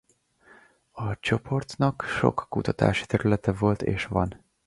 A csoportnak sok kutatási területe volt és van.